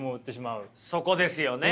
そこですよね。